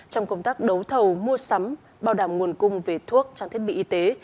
trong công tác đấu thầu mua sắm bảo đảm nguồn cung về thuốc trang thiết bị y tế